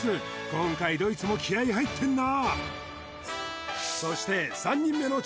今回どいつも気合い入ってんな！